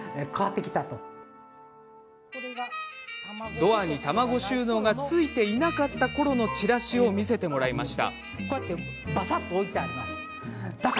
ドアに卵収納が付いていなかったころのチラシを見せてもらいました。